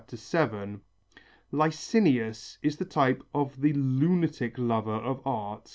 _ VII). Licinius is the type of the lunatic lover of art.